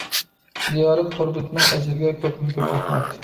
دىيارىم تور بېتىنىڭ ئەجرىگە كۆپتىن-كۆپ رەھمەت.